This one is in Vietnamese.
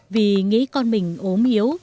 vì nghĩ con mình ốm hiếu